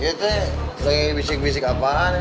iya teh lagi bisik bisik apaan nih